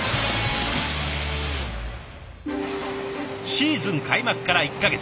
シーズン開幕から１か月。